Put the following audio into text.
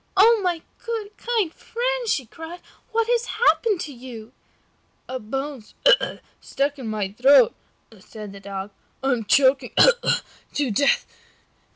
"Oh, my good, kind friend," she cried, "what has happened to you?" "A bone has stuck in my throat," said the Dog, "and I am choking to death."